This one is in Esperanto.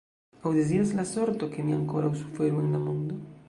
Aŭ deziras la sorto, ke mi ankoraŭ suferu en la mondo?